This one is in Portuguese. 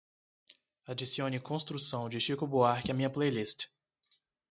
Adicione Construção de Chico Buarque à minha playlist